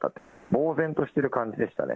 ぼう然としている感じでしたね。